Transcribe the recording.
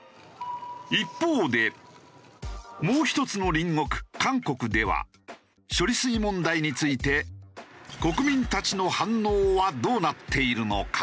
もう一つの隣国韓国では処理水問題について国民たちの反応はどうなっているのか？